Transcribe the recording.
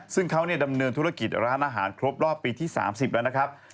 ซึ่งเขาดำเนินธุรกิจร้านอาหารครบรอบปีที่๓๐แล้วนะครับ